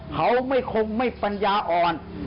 เขาไม่คงไม่ปัญญาอ่อน